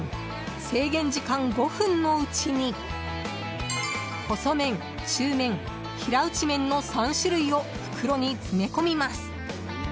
制限時間５分のうちに細麺、中麺、平打ち麺の３種類を袋に詰め込みます。